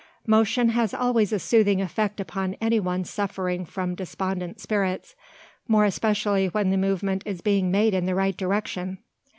Motion has always a soothing effect upon anyone suffering from despondent spirits; more especially when the movement is being made in the right direction.